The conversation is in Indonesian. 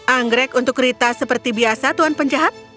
anggrek untuk rita seperti biasa tuan penjahat